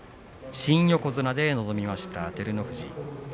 新横綱で臨みました照ノ富士。